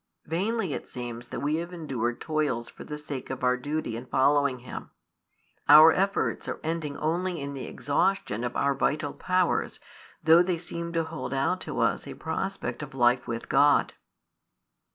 Vainly it seems have we endured toils for the sake of our duty in following Him: our efforts are ending only in the exhaustion of our vital powers, though they seemed to hold out to us a prospect of life with God."